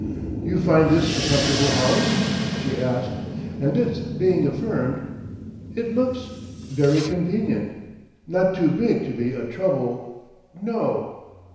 "You find this a comfortable house?" she asked; and this being affirmed: "It looks—very convenient.... Not too big to be a trouble—no.